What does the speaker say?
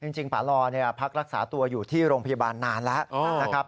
จริงป่าลอพักรักษาตัวอยู่ที่โรงพยาบาลนานแล้วนะครับ